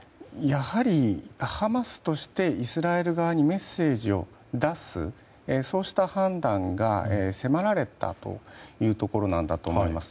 やはりハマスとしてイスラエル側にメッセージを出すそうした判断が迫られたというところだと思います。